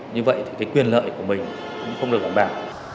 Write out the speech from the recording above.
như vậy thì quyền lợi của mình cũng không được bảo bảo